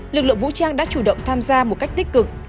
lực lượng vũ trang đã chủ động tham gia một cách tích cực